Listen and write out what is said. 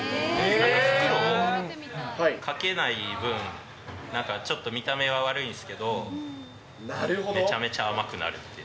袋をかけない分、ちょっと見た目は悪いんすけど、めちゃめちゃ甘くなるっていう。